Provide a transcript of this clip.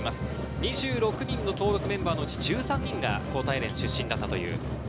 ２６人の登録メンバーのうち１３人が高体連出身だという。